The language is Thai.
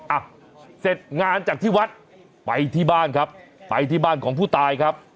อ่ะเสร็จงานจากที่วัดไปที่บ้านครับไปที่บ้านของผู้ตายครับ